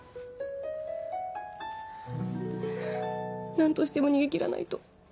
何としても逃げ切らないと。